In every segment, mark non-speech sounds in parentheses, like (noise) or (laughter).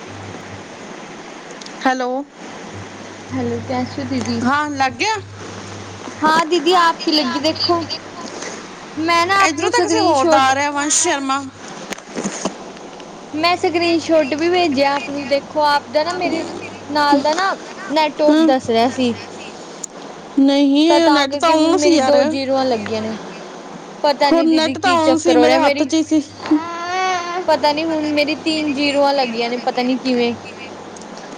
(unintelligible) Hello, ਹਾਂ ਲਾਗਿਆ। ਹਾਂ ਦੀਦੀ ਮੈਂ ਨਾ (inaudible) ਆਪ ਇਧਰੋਂ ਨੂੰ ਤਾਂ ਕਿਸੇ ਸਕਰੀਨ ਹੋਰ ਦਾ ਸ਼ੋਟ ਆ ਰਿਹਾ। ਵੰਸ਼ ਸ਼ਰਮਾ ਮੈਂ ਸਕਰੀਨ ਸ਼ੋਟ ਵੀ ਭੇਜਿਆ ਆਪ ਨੂੰ, ਦੇਖੋ ਆਪ ਦਾ ਨਾ ਮੇਰੇ ਨਾਲ ਦਾ ਨਾ ਨੈਟ ਔਫ ਹੂੰ ਦੱਸ ਰਿਹਾ ਸੀ। ਨਹੀਂ ਇਹ ਤਾਂ-ਤਾਂ ਨੈਟ ਤਾਂ ਕਰਕੇ ਹੁਣ ਆਨ ਸੀ ਮੇਰੀ ਯਾਰ ਦੋ ਜੀਰੋਆਂ ਲੱਗਗੀਆਂ ਨੇ। ਪਤਾ ਹੋਰ ਨੀ ਦੀਦੀ ਨੈਟ ਤਾਂ ਕੀ ਆਨ ਸੀ ਚੱਕਰ ਹੋ ਮੇਰੇ ਰਿਹਾ, ਹੱਥ ਮੇਰੀ 'ਚ ਹੀ ਸੀ ਪਤਾ ਨੀ ਹੁਣ ਮੇਰੀ ਤੀਨ ਜੀਰੋਆਂ ਲੱਗੀਆਂ ਨੇ, ਪਤਾ ਨੀ ਕਿਵੇਂ।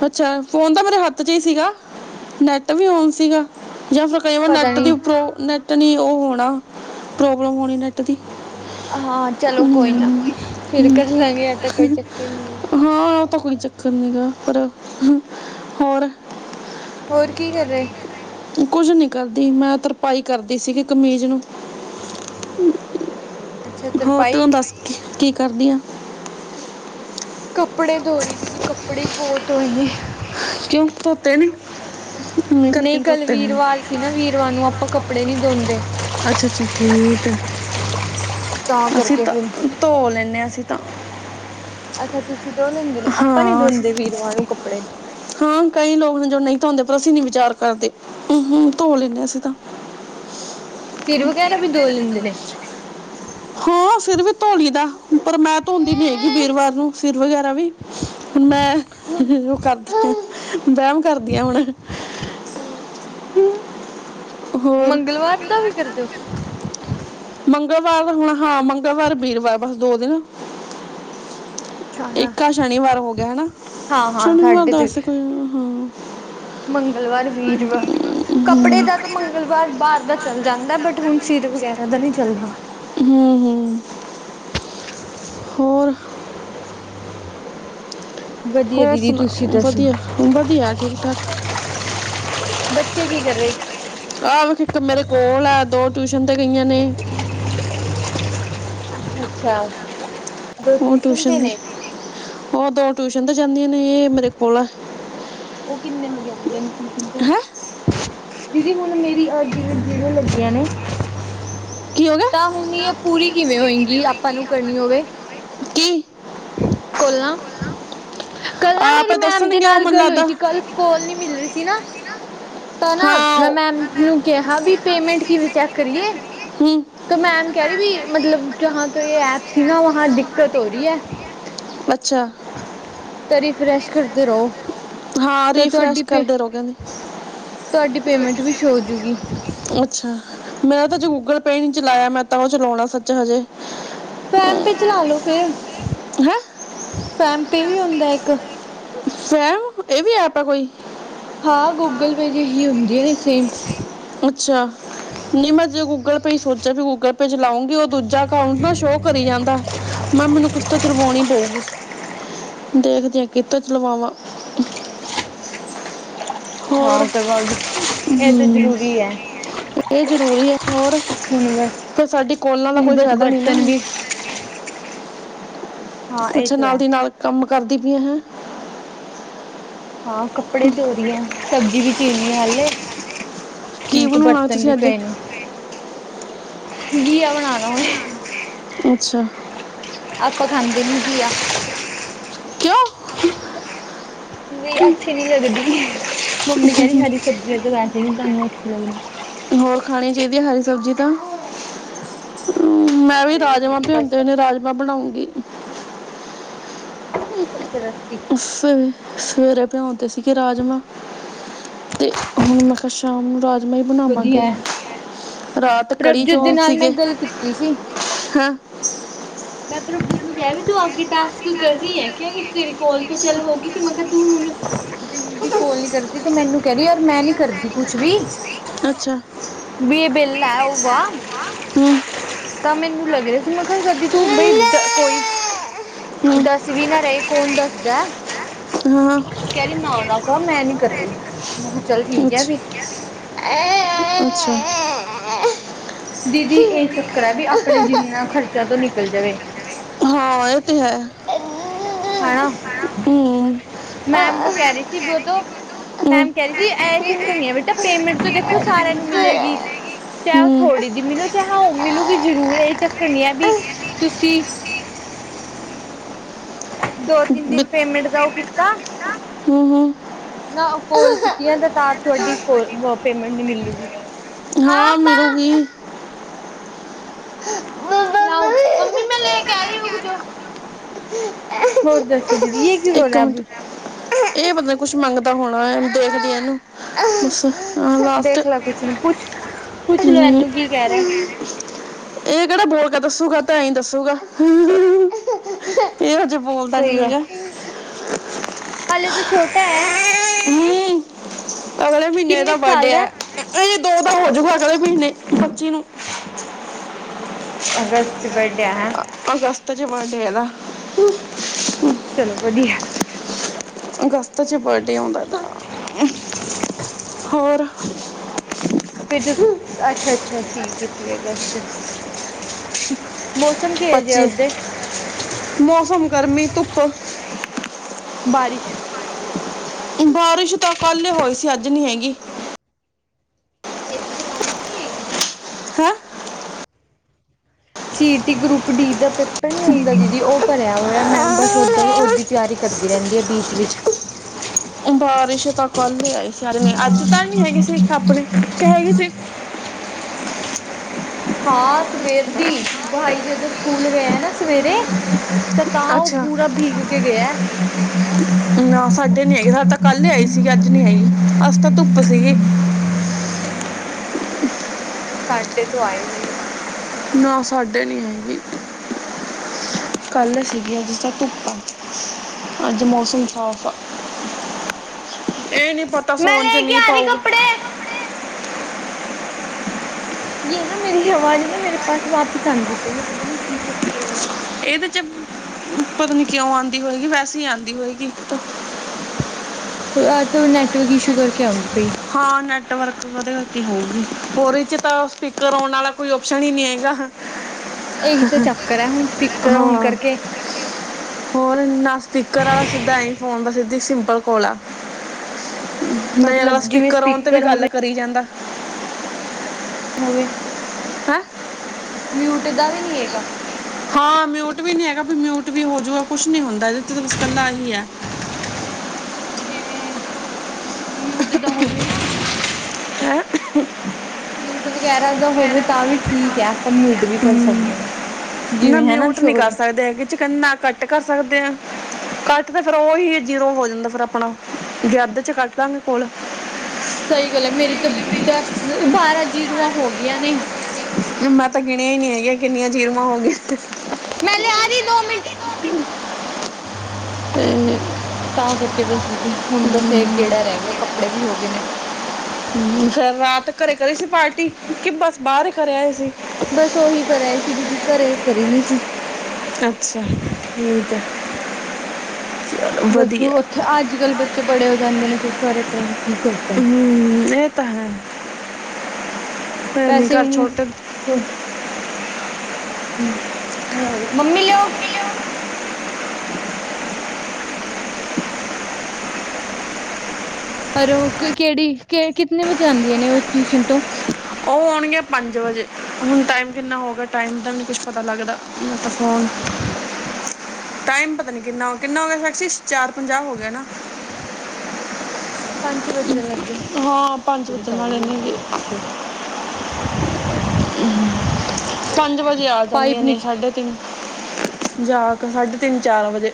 ਅੱਛਾ, ਫੋਨ ਤਾਂ ਮੇਰੇ ਹੱਥ'ਚ ਹੀ ਸੀਗਾ, ਨੈਟ ਵੀ ਔਨ ਸੀਗਾ। ਜਾਂ ਫਿਰ ਕਈ ਵਾਰ ਪਤਾ ਨੈੱਟ ਦੀ ਨੀ ਪ੍ਰੋ ਨੈਟ ਨੀ ਉਹ ਹੋਣਾ, ਪ੍ਰੋਬਲਮ ਹੋਣੀ ਨੈਟ ਦੀ। ਅ ਹਾਂ ਚਲੋ ਕੋਈ ਨਾ, ਹਮ, ਫਿਰ ਕਰਲਾਂਗੇ ਐ ਤਾਂ ਕੋਈ ਚੱਕਰ ਨੀ ਐ। ਹਾਂ, ਉਹ ਤਾਂ ਕੋਈ ਚੱਕਰ ਨਹੀਂ ਗਾ, ਪਰ ਹੋਰ ਹੋਰ ਕੀ ਕਰ ਰਹੇ? ਕੁੱਝ ਨੀ ਕਰਦੀ, ਮੈਂ ਤਰਪਾਈ ਕਰਦੀ ਸੀਗੀ ਕਮੀਜ਼ ਨੂੰ। ਅੱਛਾ ਹੋਰ, ਤੂੰ ਤਰਪਾਈ ਦੱਸ ਕੀ ਕਰਦੀ ਆਂ? ਕੱਪੜੇ ਧੋਰੀ ਦੀਦੀ, ਕੱਪੜੇ ਹੀ ਬਹੁਤ ਹੋਏ ਨੇ। ਕਿਉਂ ਧੋਤੇ ਨੀ? ਮੀਂਹ ਕਰਕੇ ਨੀ ਧੋਤੇ ਹੋਣੇ। ਅਸੀ ਨਾ ਵੀਰਵਾਰ ਨੂੰ ਆਪਾ ਕੱਪੜੇ ਨੀ ਦੋਂਦੇ। ਅੱਛਾ-ਅੱਛਾ ਠੀਕ ਏ, ਤਾਂ ਅਸੀਂ ਕਰਕੇ ਤਾ ਫਿਰ ਧੋ ਲੈਂਨੇ ਆ, ਅਸੀਂ ਤਾਂ। ਅੱਛਾ, ਤੁਸੀਂ ਦੋ ਲੈਂਦੇ ਨੇ? ਆਪਾਂ ਨੀ ਹਾਂ ਅਸੀਂ- ਦੋਂਦੇ ਵੀਰਵਾਰ ਨੂੰ ਕੱਪੜੇ। ਹਾਂ, ਕਈ ਲੋਗ ਨੇ ਜੋ ਨਹੀਂ ਧੋਂਦੇ, ਪਰ ਅਸੀਂ ਨੀ ਵਿਚਾਰ ਕਰਦੇ। ਉ ਹੂੰ ਧੋ ਲੈਂਨੇ ਆਂ, ਅਸੀ ਤਾਂ। ਸਿਰ ਵਗੈਰਾ ਵੀ ਦੋ ਲੈਂਦੇ ਨੇ? ਹਾਂ, ਸਿਰ ਵੀ ਧੋਲੀ ਲਈਦਾ। ਪਰ ਮੈਂ ਧੋਂਦੀ ਨੀ ਹੈਗੀ ਵੀਰਵਾਰ ਨੂੰ, ਸਿਰ ਵਗੈਰਾ ਵੀ। ਹੁਣ ''ਮੈਂ ਉਹ ਕਰਦੀ, ਵਹਿਮ ਕਰਦੀ ਆਂ, ਹੁਣ। ਹੰ ਮੰਗਲਵਾਰ ਦਾ ਵੀ ਕਰਦੇ ਓ? ਮੰਗਲਵਾਰ ਦਾ ਹੁਣ ਹਾਂ, ਮੰਗਲਵਾਰ, ਵੀਰਵਾਰ ਬਸ ਦੋ ਦਿਨ। ਅੱਛਾ ਹਾਂ ਇੱਕ ਆ ਸ਼ਨੀਵਾਰ ਹੋਗਿਆ ਹਨਾ, ਹਾਂ ਹਾਂ ਸ਼ਨੀਵਾਰ ਸਾਡੇ ਤੇ ਦੱਸ ਕੋਈ, ਹਾਂ। ਮੰਗਲਵਾਰ, ਵੀਰਵਾਰ ਕੱਪੜੇ ਦਾ ਤਾਂ ਮੰਗਲਵਾਰ ਬਾਹਰ ਦਾ ਚੱਲ ਜਾਂਦਾ, ਬਟ ਹੁਣ ਸਿਰ ਵਗੈਰਾ ਦਾ ਨਹੀਂ ਚੱਲਦਾ। ਹੂੰ, ਹੂੰ। ਹੋਰ? ਵਧੀਆ ਹੋਰ ਦੀਦੀ ਤੁਸੀਂ ਸੁਣਾਉ ਦੱਸੋ ਵਧੀਆ‌, ਵਧੀਆ ਠੀਕ-ਠਾਕ। ਬੱਚੇ ਕੀ ਕਰ ਰਹੇ? ਆਹ ਵੇਖ ਇੱਕ ਮੇਰੇ ਕੋਲ ਐ, ਦੋ ਟਿਊਸ਼ਨ ਤੇ ਗਈਆਂ ਨੇ। ਅੱਛਾ। ਓਹ ਟਿਊਸ਼ਨ ਤੇ। ਓਹ ਦੋ ਟਿਊਸ਼ਨ ਤੇ ਜਾਂਦੀਆਂ ਨੇ ਏਹ ਮੇਰੇ ਕੋਲ ਆ। ਓ ਕਿੰਨੇ ਵਜੇ ਆੰਦੇ ਨੇ, ਟਿਊਸ਼ਨ ਤੇ? ਹੈ ਦੀਦੀ ਹੁਣ ਮੇਰੀ ਅਹ, ਜੀਵ ਜੀਰੋ ਲੱਗੀਆ ਨੇ ਕੀ ਹੋਗਿਆ? ਤਾਂ ਹੁਣ ਇਹ ਪੂਰੀ ਕਿਵੇਂ ਹੋਏਗੀ, ਆਪਾਂ ਨੂੰ ਕਰਨੀ ਹੋਵੇ? ਕੀ? ਕੋਲਾਂ, ਕੱਲ ਨਾ ਮੇਰੀ ਆਪੇ ਮੈਮ ਦੇ ਦੱਸਣਗੇ ਉਹ ਨਾਲ ਮੈਨੂੰ ਗੱਲ ਹੋਈ ਲੱਗਦਾ ਸੀ ਕੱਲ ਕੋਲ ਨੀ ਮਿਲ ਰਹੀ ਸੀ ਨਾ। ਤਾਂ ਨਾ, ਹਾਂ ਮੈਂ ਉਹ- ਮੈਮ ਨੂੰ ਕਿਹਾ ਵੀ ਪੇਮੈਂਟ ਕਿਵੇਂ ਚੈੱਕ ਕਰੀਏ? ਹੂੰ ਤਾਂ ਮੈਮ ਕਹਿ ਰਹੀ ਵੀ, ਮਤਲਬ ਜਹਾ ਤੋਂ ਯੇ ਐਪ ਸੀ ਨਾ, ਵਹਾਂ ਦਿੱਕਤ ਹੋ ਰਹੀ ਐ। ਅੱਛਾ। ਤੇ, ਰਿਫਰੈਸ਼ ਕਰਦੇ ਰਹੋ। ਹਾਂ, ਤਾਂ ਤੁਹਾਡੀ ਰੀਫਰੈਸ਼ ਪੇ ਕਰਦੇ ਰਹੋ, ਕਹਿੰਦੇ। ਤੁਹਾਡੀ ਪੇਮੈਂਟ ਵੀ ਸ਼ੋ ਹੋਜੂਗੀ। ਅੱਛਾ। ਮੇਰਾ ਤਾ ਅਜ ਗੂਗਲ ਪੇ ਨੀ ਚਲਾਇਆ, ਮੈਂ ਤਾਂ ਉਹ ਚਲਾਉਣਾ ਸੱਚ ਹਜੇ। ਫੈਮ ਪੇ ਚਲਾਲੋੋ ਫਿਰ, ਹੈ ਫੈਮ ਪੇ ਵੀ ਹੁੰਦਾ ਇੱਕ। ਫੈਮ! ਇਹ ਵੀ ਐਪ ਆ ਕੋਈ? ਹਾਂ, ਗੂਗਲ ਪੇ ਜੇ ਇਹੀ ਹੁੰਦੀਆਂ ਨੇ ਸੇਮ। ਅੱਛਾ, ਨਹੀਂ ਮੈਂ ਅਜੇ ਗੂਗਲ ਪੇ ਈ ਸੋਚਿਆ ਗੂਗਲ ਗੂਗਲ ਪੇ ਚਲਾਉਂਗੀ, ਉਹ ਦੂਜਾ ਅਕਾੰਊਂਟ ਨਾ, ਸ਼ੋਅ ਕਰੀ ਜਾਂਦਾ, ਮੈਂ ਮੈਨੂੰ ਓਹ ਤਾਂ ਚਲਵਾਉਣੀ ਪਊਗੀ, ਦੇਖਦੇ ਆਂ, ਕਿਤੋ ਚਲਵਾਵਾਂ। ਹੋਰ? ਹਾਂ ਕਰਵਾ ਇਹ ਤਾਂ ਹਮ। ਜ਼ਰੂਰੀ ਹੈ ਇਹ ਜ਼ਰੂਰੀ ਆ ਹੋਰ, ਹੁਣ ਫੇਰ ਸਾਡੀ ਕੋਲਾਂ ਦਾ ਹੁਣ ਕੋਈ ਫਾਇਦਾ ਨਹੀ ਨਾ। ਅੱਛਾ ਨਾਲ ਦੀ ਨਾਲ ਕੰਮ ਕਰਦੀ ਪਈਆਂ ਹੈ। ਹਾਂ ਕੱਪੜੇ ਧੋ ਰਹੀ ਹਾਂ ਸਬਜ਼ੀ ਵੀ ਚੀਰਣੀ ਆ ਹਾਲੇ। ਕੀ ਹਮ ਬਣਾਉਣਾ ਬਰਤਨ ਤੁਸੀਂ ਵੀ ਅੱਜ ਪੈਏ ਨੇ ਘੀਆ ਬਣਾਉਣਾ ਹੁਣ। ਅੱਛਾ। ਆਪਾਂ ਖਾਂਦੇ ਨੀ ਘੀਆ। ਕਿਉਂ? ਨਹੀਂ ਅੱਛੇ ਨੀ ਲੱਗਦੀ ਮੰਮੀ ਕਹਿੰਦੀ ਹਰੀ ਸਬਜ਼ੀਆਂ ਤੇ ਵੈਸੇ ਵੀ ਨੀ ਤੁਹਾਨੂੰ ਅੱਛੀ ਲੱਗਦੀ। ਹੋਰ ਖਾਣੀ ਚਾਹੀਦੀ ਆ ਹਰੀ ਸਬਜ਼ੀ ਤਾਂ। ਹਮ ਹੋਰ ਮੈਂ ਵੀ ਸਹੀ ਰਾਜਮਾਂ ਦੀਦੀ ਬਸ ਭਿਆਉਂਦੇ ਨੇ ਰਾਜਮਾਂ ਬਣਾਉਂਗੀ। ਅੱਛਾ ਰਾਤੀ। ਸ ਸਵੇਰੇ ਭਿਓ ਦਿੱਤੇ ਸੀਗੇ ਰਾਜਮਾਂ। ਤੇ ਹੁਣ ਮੈਂ ਕਿਹਾ ਸ਼ਾਮ ਨੂੰ ਰਾਜਮਾ ਹੀ ਵਧੀਆ ਬਣਾਵਾਂਗੇ। ਹੈ ਰਾਤ ਕੜੀ ਪ੍ਰਭਜੋਤ ਦੇ ਚੌਲ ਨਾਲ ਮੈਂ ਸੀਗੇ ਗੱਲ ਕੀਤੀ ਸੀ ਹੈਂ। ਮੈਂ ਪ੍ਰਭਜੋਤ ਨੂੰ ਕਿਹਾ ਵੀ ਤੂੰ ਅੱਗੇ ਟਾਸਕ ਕਰ ਰਹੀ ਆ। ਕਿਹਾ ਵੀ ਤੇਰੀ ਕੋਲ ਤੋਂ ਚੱਲ ਹੋ ਗਈ ਸੀ ਮੈਂ ਕਿਹਾ ਤੂੰ ਹੁਣ। ਜੇ ਮਿਨੀ ਕੋਲ ਨੀ ਕਰਦੀ ਤਾਂ ਮੈਨੂੰ ਕਹਿ ਰਹੀ ਆ ਮੈਂ ਨੀ ਕਰਦੀ ਕੁਛ ਵੀ। ਅੱਛਾ ਬਈ ਇਹ ਬਿੱਲ ਹੈ ਉਹ ਵਾਹ! ਹੂੰ ਤਾਂ ਮੈਨੂੰ ਲੱਗ ਰਿਹਾ ਸੀ ਮੈਂ ਕਿਹਾ ਕਰਦੀ ਤੂੰ ਬਈ ਕੋਈ ਹੂੰ ਦੱਸ। ਸੀ ਵੀ ਨਾ ਰਹੇ ਇਹ ਕੌਣ ਦੱਸਦਾ। ਹਾਂ। ਕਹਿਰੀ ਨਾ ਨਾ ਕਰ ਮੈਂ ਨਹੀਂ ਕਰ ਰਹੀ ਮੈਂ ਕਿਹਾ ਚੱਲ ਠੀਕ ਹੈ ਫਿਰ। ਇਸ। ਅੱਛਾ। ਦੀਦੀ ਇਹ ਚੱਕਰ ਏ ਕਿ ਆਪਣੇ ਜਿੰਨਾ ਖ਼ਰਚਾ ਤੋਂ ਨਿਕਲ ਜਾਵੇ। ਹਾਂ ਇਹ ਤੇ ਹੈ। ਹੈਨਾ ਹੂੰ ਮੈਮ ਵੋ ਕਹਿ ਰਹੀ ਸੀ ਵੋ ਤੋਂ। ਹੂੰ ਮੈਮ ਕਹਿ ਰਹੀ ਸੀ ਇਹ ਚੱਕਰ ਨਹੀ ਹੈ ਬੇਟਾ ਪੇਮੈਂਟ ਤੋਂ ਦੇਖੋ ਸਾਰਿਆਂ ਨੂੰ ਮਿਲੇਗੀ। ਚਾਹੇ ਉਹ ਹੂੰ ਥੋੜ੍ਹੀ ਜੀ ਮਿਲੋ ਚਾਹੇ ਉਹ ਮਿਲੂਗੀ ਜ਼ਰੂਰ ਇਹ ਚੱਕਰ ਨੀ ਏ ਵੀ ਤੁਸੀਂ। ਦੋ ਤਿੰਨ ਦਿਨ ਪੇਮੈਂਟ ਦਾ ਉਹ ਕੀਤਾ। ਹਮ ਹਮ। ਨਾ ਕੋਲ ਕੀਤੀਆਂ ਤੇ ਤਾਂ ਤੁਹਾਡੀ ਕੋ ਪੇਮੈਂਟ ਨੀ ਮਿਲ ਰਹੀ ਏ। ਹਾਂ ਪਾਪਾ। ਤਾਂ ਹੀ। ਲਓ ਮੰਮੀ ਮੈਂ ਲੈ ਕੇ ਆ ਰਹੀ ਹੂ ਰੁਕ ਜਾਓ। ਹੋਰ ਦੱਸੋ, ਦੀਦੀ ਯੇ ਕਿਉ ਰੋ ਇੱਕ ਰਹਾ ਅਬ? ਮਿੰਟ ਇਹ ਕੁੱਛ ਮੰਗਦਾ ਹੋਣਾ ਦੇਖਦੀ ਹਾਂ ਇਹਨੂੰ। ਹਾਂ ਲਾਸਟ ਦੇਖ ਲੈ ਕੁਛ ਨੂੰ ਪੁੱਛ ਪੁੱਛ ਲੋ ਹੂ। ਇਹਨੂੰ ਕੀ ਕਹਿ ਰਿਹਾ ਇਹ ਕਿਹੜਾ ਬੋਲ ਕੇ ਦੱਸੂਗਾ ਇਹ ਤਾਂ ਏਈ ਦੱਸੂਗਾ। ਇਹ ਅਜੇ ਬੋਲਦਾ ਨੀ ਹੈਗਾ। ਹਲੇ ਤੇ ਛੋਟਾ ਐ। ਹਮ ਨਹੀਂ ਅਗਲੇ ਮਹੀਨੇ ਕਿੰਨੇ ਏਹਦਾ ਕੁ ਸਾਲ ਬਰਡੇ ਦਾ ਹੈ। ਨਹੀ ਦੋ ਦਾ ਹੋ ਜੇਗਾ ਅਗਲੇ ਮਹੀਨੇ ਪੱਚੀ ਨੂੰ। ਅਗਸਤ ਚ ਬਰਡੇ ਹੈ। ਅਗਸਤ ਵਿੱਚ ਬਰਡੇ ਹੈ ਇਹਦਾ। ਚਲੋ ਵਧੀਆ। ਅਗਸਤ 'ਚ ਬਰਡੇ ਆਉਂਦਾ ਤਾਂ ਹੋਰ। ਫਿਰ ਜਿਸ ਅੱਛਾ, ਅੱਛਾ ਠੀਕ ਕੀਤੀ ਆ ਅਗਸਤ ਵਿੱਚ। ਮੌਸਮ ਕਿਹੋ ਜਿਹਾ ਆ ਉੱਧਰ। ਮੌਸਮ ਗਰਮੀ ਧੁੱਪ। ਬਾਰਿਸ਼, ਬਾਰਿਸ਼ ਤਾਂ ਕੱਲ੍ਹ ਹੋਈ ਸੀ, ਅੱਜ ਨੀ ਹੈਗੀ। ਇੱਥੇ ਬਾਰਿਸ਼ ਨਹੀਂ ਹੈਗੀ? ਹੈ ਸੀ ਟੀ ਗਰੁੱਪ ਡੀ ਦਾ ਪੇਪਰ ਨੀ ਹੁੰਦਾ ਦੀਦੀ ਉਹ ਭਰਿਆ ਹੋਇਆ ਮੈਂ ਬਸ ਓਦਾਂ ਉਹ ਓਦੀ ਤਿਆਰੀ, ਕਰਦੀ ਰਹਿੰਦੀ ਐ ਬੀਚ ਵਿੱਚ। ਬਾਰਿਸ਼ ਤਾਂ ਕੱਲ੍ਹ ਹੀ ਆਈ ਸਾਰ ਨੇ ਅੱਜ ਤਾਂ ਨਹੀਂ ਹੈਗੀ ਸੀ ਆਪਣੇ ਕ ਹੈਗੀ ਸੀ, ਹਾਂ, ਸਵੇਰ ਦੀ ਬਾਈ ਜਦੋਂ ਸਕੂਲ ਗਏ ਨਾ ਸਵੇਰੇ ਤੇ ਤਾਂ ਉਹ ਅੱਛਾ ਪੂਰਾ ਬੀਗ ਕੇ ਗਿਆ, ਨਾ ਸਾਡੇ ਨਹੀਂ ਹੈਗੇ ਸਾਡੇ ਤਾਂ ਕੱਲ ਹੀ ਆਈ ਸੀ ਅੱਜ ਨਹੀਂ ਹੈਗੀ ਅੱਜ ਤਾਂ ਧੁੱਪ ਸੀਗੀ (unintelligible) ਸਾਡੇ ਤੋਂ ਆਏ ਹੋਈ ਆ, ਨਾ ਸਾਡੇ ਨਹੀਂ ਹੈਗੀ। ਕੱਲ੍ਹ ਸੀ ਗੀ ਅੱਜ ਤੇ ਧੁੱਪ ਆ। ਅੱਜ ਮੌਸਮ ਸਾਫ਼ ਆ, ਇਹ ਨੀ ਪਤਾ ਮੈਂ ਸਾਉਣ ਚ ਲੈ ਕੇ ਮੀਂਹ ਆ ਰਹੀ ਪਾਊਗਾ, ਕੱਪੜੇ ਇਹ ਨਾ ਮੇਰੀ ਆਵਾਜ਼ ਨਾ ਮੇਰੇ ਪਾਸ ਵਾਪਿਸ ਆਉਂਦੀ ਪਈ ਹੈ ਪਤਾ ਨੀ ਕੀ ਚੱਕਰ ਹੋ ਰਿਹਾ। ਇਹਦੇ ਚ ਪਤਾ ਨੀ ਕਿਉਂ ਆਉਂਦੀ ਹੋਏਗੀ, ਵੈਸੇ ਹੀ ਆਉਂਦੀ ਹੋਏਗੀ। ਅੱਜ ਤਾਂ ਨੈਟਵਰਕ ਇਸ਼ੂ ਕਰਕੇ ਆਉਂਦੀ ਪਈ। ਹਾਂ ਨੈਟਵਰਕ ਉਹਦੇ ਕਰਕੇ ਹੋਊਗੀ ਓਦੇ 'ਚ ਤਾਂ ਸਪੀਕਰ ਆਉਣ ਆਲਾ ਕੋਈ ਔਪਸ਼ਨ ਈ ਨੀ ਹੈਗਾ। (inaudible) ਇਹੀ ਤਾਂ ਚੱਕਰ ਐ, ਹੁਣ ਸਪੀਕਰ ਓਣ ਹਾਂ ਕਰਕੇ ਹੋਰ ਨਾ ਸਪੀਕਰ ਵਾਲਾ ਸਿੱਧਾ ਐ ਫੋਨ ਦਾ ਸਿੱਧੀ ਸਿੰਪਲ ਕੋਲ ਆ। ਨਹੀਂ ਅਗਲਾ ਮਤਲਬ ਜਿਵੇਂ ਸਪੀਕਰ ਆਉਣ ਤੇ ਵੀ ਹੋਵੇ ਗੱਲ ਕਰੀ ਜਾਂਦਾ, ਹੋਵੇ, ਹੈ, ਮਿਊਟ ਦਾ ਵੀ ਨਹੀਂ ਹੈਗਾ, ਹਾਂ ਮਿਊਟ ਵੀ ਨਹੀਂ ਹੈਗਾ ਵੀ ਮਿਊਟ ਵੀ ਹੋਜੂਗਾ ਕੁਛ ਨਹੀਂ ਹੁੰਦਾ ਇਹਦੇ ਤੇ ਤਾਂ ਬ ਇਕੱਲਾ ਇਹੀ ਹੈ, ਜਿਵੇਂ, ਮਿਊਟ ਦਾ ਹੋਜੇ, ਹੈਂ ਮਿਊਟ ਵਗੈਰਾ ਦਾ ਹੋਵੇ ਤਾਂ ਵੀ ਠੀਕ ਹੈ ਆਪਾਂ ਮਿਊਟ ਵੀ ਕਰ ਹਮ, ਸਕਦੇ ਹਾਂ। ਨਾ ਮਿਊਟ ਨਹੀਂ ਕਰ ਸਕਦੇ ਹੈਗੇ ਨਾ ਘੱਟ ਕਰ ਸਕਦੇ ਆ, ਕੱਟ ਤੇ ਫਿਰ ਉਹੀ ਜੀਰੋ ਹੋ ਜਾਂਦਾ ਫੇਰ ਆਪਣਾ, ਅੱਧ ਚ ਕੱਟ ਦਾਂਗੇ ਕੋਲ, ਸਹੀ ਗੱਲ ਐ, ਮੇਰੀ ਤਾਂ ਦੱਸ ਬਾਰਾਂ ਜੀਰੋਆਂ ਹੋ ਗਈਆਂ ਨੇ। ਮੈਂ ਤਾਂ ਗਿਣਿਆ ਹੀ ਨਹੀਂ ਹੈਗੀਆਂ ਕਿੰਨੀਆਂ ਜੀਰੋ ਆ ਹੋ ਗੲੀਆ, ਮੈਂ ਲਿਆ ਰਹੀ ਦੋ ਮਿੰਟ, ਹੂੰ। ਤਾਂ ਕਰਕੇ ਬਸ ਦੀਦੀ ਹੁਣ ਬਸ ਇਹ ਗੇੜਾ ਰਹਿ ਗਿਆ ਕੱਪੜੇ ਵੀ ਹੋ ਗਏ ਨੇ। ਫੇਰ ਰਾਤ ਘਰੇ ਕਰੀ ਸੀ ਪਾਰਟੀ ਕਿ ਬਸ ਬਾਹਰ ਹੀ ਕਰੇ ਆਏ ਸੀ। ਬਸ ਉਹੀ ਕਰ ਆਏ ਸੀ ਦੀਦੀ ਘਰੇ ਕਰੀ ਨੀ ਸੀ। ਅੱਛਾ, ਠੀਕ ਹੈ। ਚਲੋ ਬਸ ਵਧੀਆ ਉੱਥੇ ਅੱਜ ਕੱਲ੍ਹ ਬੱਚੇ ਬੜੇ ਹੋ ਜਾਂਦੇ ਨੇ ਫਿਰ ਘਰੇ ਕੌਣ ਕੀ ਕਰ ਹੂੰ, ਇਹ ਤਾਂ ਹੈ। ਹੈ ਨਹੀਂ ਪੈਸੇ ਘਰ ਛੋਟੇ ਥੋੜੇ ਹੂੰ। ਹੂੰ, ਮੰਮੀ ਲੋ, ਪਰ ਉਹ ਕਿਹੜੀ ਕਿ ਕਿਤਨੇ ਵਜੇ ਆਉਂਦੀਆ ਨੇ ਉਹ ਟਿਊਸ਼ਨ ਤੋਂ। ਆਉਂਣਗੀਆਂ ਪੰਜ ਵਜੇ ਹੁਣ ਟਾਈਮ ਕਿੰਨਾ ਹੋਗਿਆ ਟਾਈਮ ਦਾ ਮੈਨੂੰ ਕੁਛ ਪਤਾ ਲੱਗਦਾ। ਮੈਂ ਤਾਂ ਫੋਨ, ਟਾਈਮ ਪਤਾ ਨੀ ਕਿੰਨਾ ਕਿੰਨਾ ਹੋ ਗਿਆ ਸਾਖਸ਼ੀ ਚਾਰ ਪੰਜਾਹ ਹੋ ਗਿਆ ਨਾ, ਪੰਜ ਵੱਜਣ ਲੱਗੇ ਨੇ, ਹਾਂ ਵਜੇ ਨਾਲ ਇਹਨੇ (unintelligible) ਹੂੱ, ਪੰਜ ਵਜੇ ਆ ਪਾਈਪ ਜਾਂਦੀਆਂ ਨੀ ਨੇ ਸਾਢੇ ਤਿੰਨ, ਜਾ ਕੇ ਸਾਢੇ ਤਿੰਨ ਚਾਰ ਵਜੇ।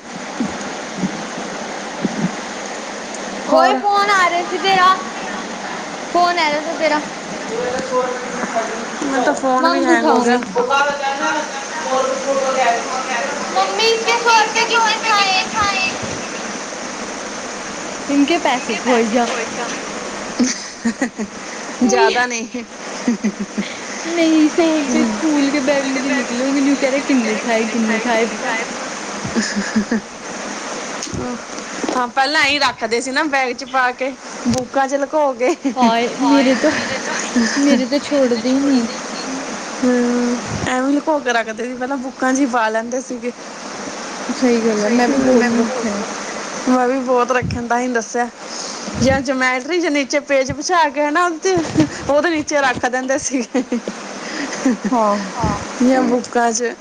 ਓਏ ਹੋਰ ਫੋਨ ਆ ਰ ਤੇ ਤੇਰਾ ਫੋਨ ਆਰਾ ਥਾ ਤੇਰਾ। (inaudible) (unintelligible) ਮੰਮੀ ਮੈਂ ਤਾਂ ਫੋਨ ਵੀ ਹੈਂਗ ਹੋ ਗਿਆ ਇਸ ਕੇ ਸੌ ਰੁਪਏ ਕਿਨੇ ਠਾਏ। ਇਨਕੇ ਪੈਸੇ ਖੋਏ ਜਾ (inaudible) ਜ਼ਿਆਦਾ ਨ‌ਈਂ, (unintelligible) ਬੈਗ ਮੇ ਤੇ ਨਿਕਲੇ, ਓ ਵੀ ਨੂ ਕਹਿ ਰਿਆ ਕਿੰਨੇ ਠਾਏ, ਕਿੰਨੇ ਠਾਏ ਬਤ੍ਹ‌ਾ? (inaudible) ਪਹਿਲਾਂ ਐ ਈ ਰੱਖਦੇ ਸੀ ਨਾ ਬੈਗ 'ਚ ਪਾ ਕੇ ਬੁੱਕਾਂ 'ਚ ਲਕੋ ਕੇ। (inaudible) ਛੋਡਦੇ ਈ ਨੀ। ਹਮ, ਐਵੇਂ ਲਕੋ ਕੇ ਰੱਖਦੇ ਸੀ ਪਹਿਲਾਂ ਬੁੱਕਾਂ 'ਚ ਈ ਪਾ ਲੈਂਦੇ ਸੀਗੇ। ਸਹੀ ਗੱਲ, ਆ ਮੈਂ ਵੀ ਬਹੁਤ ਰੱਖੇ ਨੇ। ਮੈਂ ਵੀ ਬਹੁਤ ਰੱਖਣ ਦਾ ਹੀ ਦੱਸਿਆ। ਜਾਂ ਜਮੈਟਰੀ ਜ ਨੀਚੇ ਪੇਜ ਪਛਾ ਕੇ ਹਨਾ, ਉਹ 'ਚ, ਉਹਦੇ ਨੀਚੇ ਰੱਖ ਦਿੰਦੇ ਸੀ। ਹਾਂ, ਜਾਂ ਬੁੱਕਾਂ 'ਚ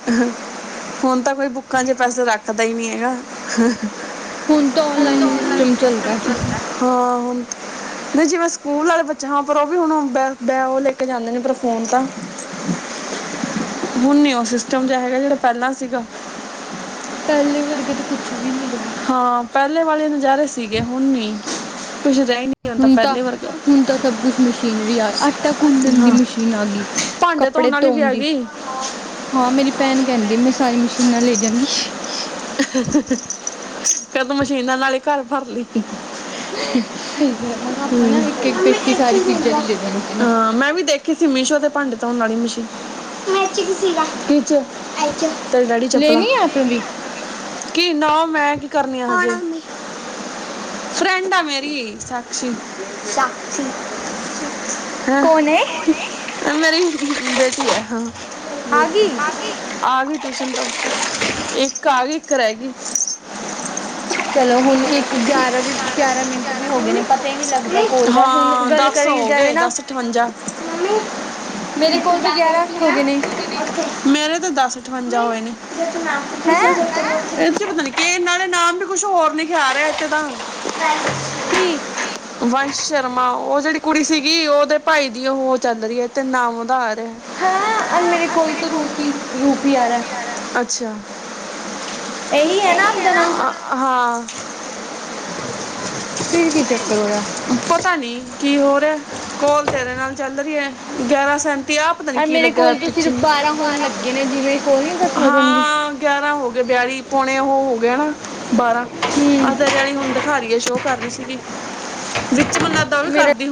ਹੁਣ ਤਾਂ ਕੋਈ ਬੁੱਕਾਂ 'ਚ ਪੈਸੇ ਰੱਖਦਾ ਈ ਨੀ ਹੈਗਾ। ਹੁਣ ਤਾਂ ਔਨਲਾਈਨ ਸਿਸਟਮ ਚੱਲਦਾ। ਹਾਂ, ਹੁਣ ਨ‌ਈ ਜਿਵੇਂ ਸਕੂਲ ਆਲੇ ਬੱਚੇ, ਹਾਂ ਪਰ ਉਹ ਵੀ ਹੁਣ ਬੇ-ਬੇ, ਉਹ ਲੈ ਕੇ ਜਾਂਦੇ ਨੇ ਪਰ ਫੋਨ ਤਾਂ ਹੁਣ ਨੀ ਉਹ ਸਿਸਟਮ ਜਿਹਾ ਹੈਗਾ, ਜਿਹੜਾ ਪਹਿਲਾਂ ਸੀਗਾ। ਪਹਿਲੇ ਵਰਗਾ ਤਾਂ ਕੁਛ ਵੀ ਨੀ ਰਿਹਾ। ਹਾਂ, ਪਹਿਲੇ ਵਾਲੇ ਨਜ਼ਾਰੇ ਸੀਗੇ ਹੁਣ ਨੀ। ਕੁਛ ਰਹਿ ਨ‌ਈ ਹੁਣ ਤਾਂ, ਹੁਣ ਤਾਂ ਸਭ ਕੁਛ ਮਸ਼ੀਨਰੀ ਆ, ਆਟਾ ਗੁੰਨਣ ਦੀ ਹਾਂ ਮਸ਼ੀਨ ਆ ਗੀ। ਭਾਂਡੇ ਕੱਪੜੇ ਵਾਲੀ ਵੀ ਧੋਣ ਆ ਦੀ, ਗਈ ਹਾਂ ਮੇਰੀ ਭੈਣ ਕਹਿੰਦੀ ਮੈਂ ਸਾਰੀ ਮਸ਼ੀਨਾਂ ਲੈਜਾਗੀ। ਫਿਰ ਤਾਂ ਮਸ਼ੀਨਾਂ ਨਾਲ ਈ ਘਰ ਭਰ ਲੀ। ਸਹੀ ਗੱਲ ਮੈਂ ਕਿਹਾ ਆਪਾਂ ਨਾ ਇੱਕ-ਇੱਕ ਮੰਮੀ ਪੇਟੀ ਸਾਰੀ ਚੀਜ਼ਾਂ ਦੀ ਦੇ ਦਿਆਂਗੇ ਤੈਨੂੰ। ਤੁਸੀਂ ਮਿਸ਼ੋ ਤੇ ਭਾਂਡੇ ਧੋਣ ਆਲੀ ਮਸ਼ੀਨ ਤੇਰਾ ਡੈਡੀ ਚੱਪਲਾਂ (unintelligible) ਕੀ, ਨਾ ਮੈਂ ਕੀ ਕਰਨੀ ਆ। ਫਰੈਂਡ ਆ ਮੇਰੀ (unintelligible) ਨੇ। ਐ ਮੇਰੀ ਬੇਟੀ ਐ ਹਾਂ, ਆ ਗਈ ਆ ਗੀ। ਟਿਊਸ਼ਨ ਤੋਂ ਇੱਕ ਆ ਗੀ, ਇੱਕ ਰਹਿ ਗੀ। ਚਲੋ ਹੁਣ, ਇੱਕ ਗਿਆਰਾਂ ਜੀ ਗਿਆਰਾਂ ਮਿੰਟ ਵੀ ਹੋ ਗਏ ਨੇ। ਪਤਾ ਈ ਨੀ ਲੱਗਦਾ ਮੰਮੀ ਕੋਲ ਬਹ ਹੁਣ ਗੱਲ ਕਰੀ ਜਾਏ ਨਾ ਠਵੰਜਾਂ, ਮੰਮੀ ਮੇਰੇ ਜੇ ਤੂ ਕੋਲ ਤੋਂ ਗਿਆਰਾਂ ਅੱਠ ਹੋ ਗਏ ਨੇ (unintelligible) ਮੇਰੇ ਤਾਂ ਦਸ ਠਵੰਜਾ ਹੋਏ ਨੇ। ਹੈਂ ਪਤਾ ਨੀ ਕੇ ਨਾਲ਼ੇ ਨਾਮ ਵੀ ਕੁਛ ਹੋਰ ਲਿਖਿਆ ਆ ਰਿਹਾ ਇੱਥੇ ਤਾਂ ਕੀ ਵੰਸ਼ ਸ਼ਰਮਾ। ਉਹ ਜਿਹੜੀ ਕੁੜੀ ਸੀਗੀ ਉਹਦੇ ਭਾਈ ਦੀ ਉਹ ਹੋ ਚੱਲ ਰ‌ਈ ਐ ਤੇ ਨਾਮ ਉਹਦਾ ਆ ਰਿਹਾ। ਹਾਂ, ਅੱਜ ਮੇਰੇ ਕੋਲ ਤਾਂ ਰੂਪੀ-ਰੂਪੀ ਆਰਾ। ਅੱਛਾ। ਇਹੀ ਇਹ ਐ ਨਾ ਆਪ ਦਾ ਨਾਮ। ਅ- ਹਾਂ ਫਿਰ ਕੀ ਚੱਕਰ ਹੋਇਆ। ਪਤਾ ਨੀ ਕੀ ਹੋ ਰਿਆ, ਕੋਲ ਤੇਰੇ ਨਾਲ ਚੱਲ ਰ‌ਈ ਐ ਗਿਆਰਾਂ ਸੈਂ ਤੇ ਆਹ ਪਤਾ ਨੀ ਔਰ ਕੀ ਮੇਰੇ ਲੱਗਾ ਹੋਇਆ ਕੋਲ ਤੋਂ ਪਿੱਛੇ, ਸਿਰਫ ਬਾਰਾਂ ਹੋਣ ਲੱਗੇ ਨੇ ਜਿਵੇਂ ਕੋਲ ਨੀ ਇਕੱਠ ਹੋ ਜਾਂਦੀ ਹਾਂ। ਗਿਆਰਾਂ ਹੋ ਗਏ ਬਿਆਲੀ ਪੌਣੇ ਉਹ ਹੋ ਗਏ ‌ਨਾ, ਬਾਰਾਂ ਹੂੰ ਤੇਰੇ ਆਲੀ ਹੁਣ ਘਾਰ ਈ ਏ ਸ਼ੋਅ ਕਰ ਰ‌ਈ ਸੀਗੀ। ਵਿੱਚ ਮੈਨੂੰ ਲਗਦਾ ਉਹ ਵੀ ਮੇਰਾ ਕਰਦੀ ਹੋਊ